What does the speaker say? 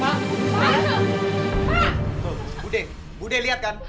budi budi lihat kan